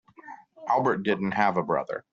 Albert didn't have a brother.